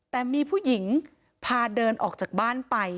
แต่มีผู้หญิงพาเดินออกจากบ้านไป